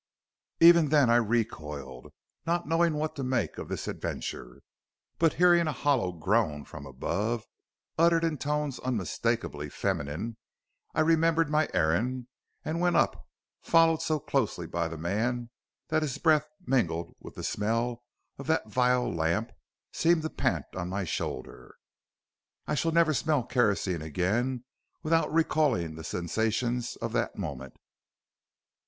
"Even then I recoiled, not knowing what to make of this adventure; but hearing a hollow groan from above, uttered in tones unmistakably feminine, I remembered my errand and went up, followed so closely by the man, that his breath, mingled with the smell of that vile lamp, seemed to pant on my shoulder. I shall never smell kerosene again without recalling the sensations of that moment.